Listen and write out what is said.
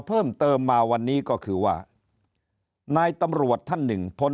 เพิ่มเติมมาวันนี้ก็คือว่านายตำรวจท่านหนึ่งพล